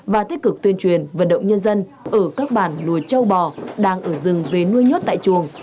và tích cực tuyên truyền vận động nhân dân ở các bản lùi châu bò đang ở rừng về nuôi nhốt tại chuồng